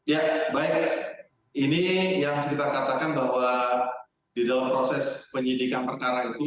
ya baik ini yang kita katakan bahwa di dalam proses penyidikan perkara itu